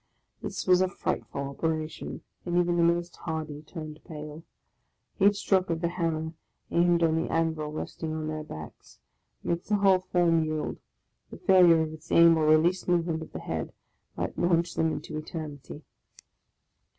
This was a frightful operation, and even the most hardy turned pale! Each stroke of the hammer, aimed on the anvil resting on their backs, makes the whole form yield; the fail ure of its aim, or the least movement of the head, might launch them into eternity.